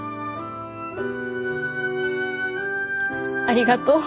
ありがとう。